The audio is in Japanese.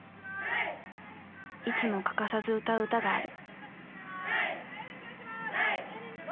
いつも欠かさず歌う歌がある。